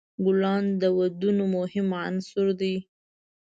ګلان د ودونو مهم عنصر دی.